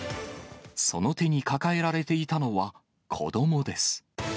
その手に抱えられていたのは子どもです。